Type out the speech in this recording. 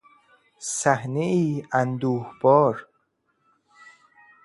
صحنهای اندوهبار